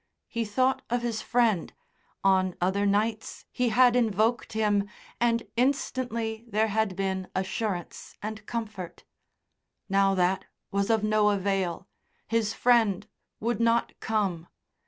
He thought of his friend; on other nights he had invoked him, and instantly there had been assurance and comfort. Now that was of no avail; his friend would not come.